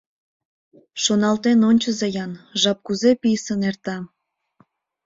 — Шоналтен ончыза-ян, жап кузе писын эрта!